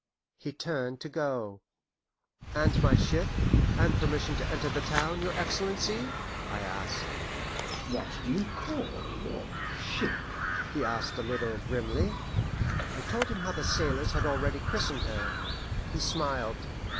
He turned to go. "And my ship, and permission to enter the town, your Excellency?" I asked. "What do you call your ship?" he asked a little grimly. I told him how the sailors had already christened her. He smiled.